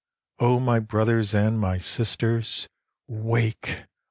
O my brothers and my sisters, wake!